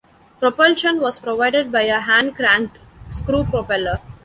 Propulsion was provided by a hand-cranked screw propeller.